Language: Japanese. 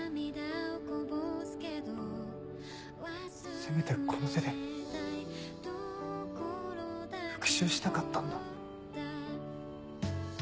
せめてこの手で復讐したかったんだ。